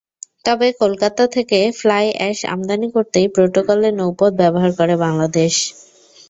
তবে কলকাতা থেকে fly ash আমদানি করতেই প্রটোকলের নৌপথ ব্যবহার করে বাংলাদেশ।